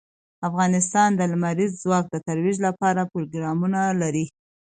افغانستان د لمریز ځواک د ترویج لپاره پروګرامونه لري.